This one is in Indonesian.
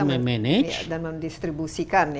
memanage dan mendistribusikan ya